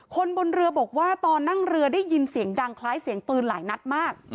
คนบนเรือบอกว่าตอนนั่งเรือได้ยินเสียงดังคล้ายเสียงปืนหลายนัดมาก